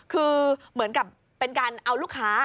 คือเหมือนกับเป็นการเอาลูกค้า